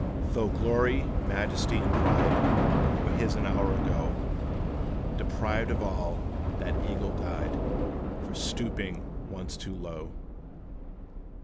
Though glory, majesty, and pride Were his an hour ago, Deprived of all, that eagle died, For stooping once too low!